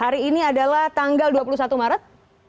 hari ini adalah tanggal dua puluh satu maret